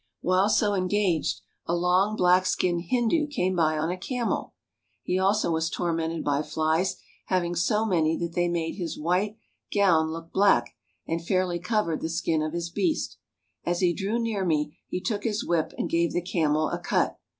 While so engaged, a long, black skinned Hindu came by on a camel. He also was tormented by flies, having so many that they made his white gown look black, and fairly covered the skin of his beast. As he drew near me, he took his whip and gave the camel a cut.